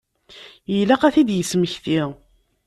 Ilaq ad t-id-yesmekti.